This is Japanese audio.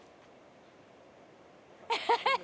ハハハハ！